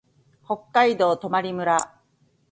北海道泊村